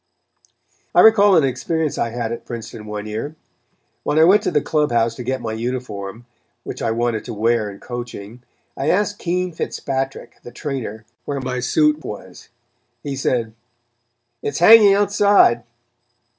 I recall an experience I had at Princeton one year. When I went to the Club House to get my uniform, which I wanted to wear in coaching, I asked Keene Fitzpatrick, the Trainer, where my suit was. He said: [Illustration: HIT YOUR MAN LOW] "It's hanging outside."